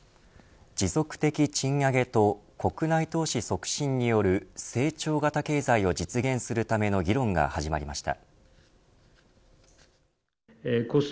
持続的賃上げと国内投資促進による成長型経済を実現するための議論が始まりました。